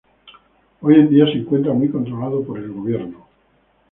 Hoy en día se encuentra muy controlado por el gobierno.